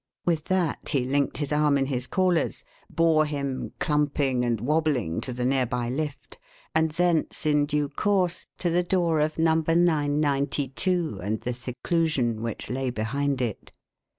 With that he linked his arm in his caller's, bore him clumping and wobbling to the nearby lift, and thence, in due course, to the door of number Nine ninety two and the seclusion which lay behind it.